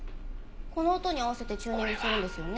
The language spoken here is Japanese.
この音に合わせてチューニングするんですよね？